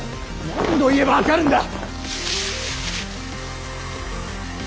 何度言えば分かるんだ！